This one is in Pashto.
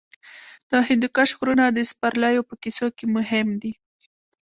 د هندوکش غرونه د سپرليو په کیسو کې مهم دي.